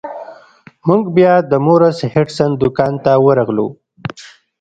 موږ بیا د مورس هډسن دکان ته ورغلو.